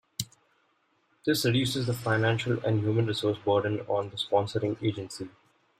This reduces the financial and human resource burden on the sponsoring agency.